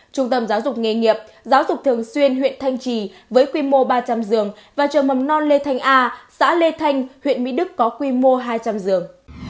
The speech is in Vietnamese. trung tâm giáo dục nghề nghiệp giáo dục thường xuyên huyện thanh trì với quy mô ba trăm linh giường và trường mầm non lê thanh a xã lê thanh huyện mỹ đức có quy mô hai trăm linh giường